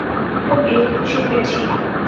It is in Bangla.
খুব খুশি হয়েছি।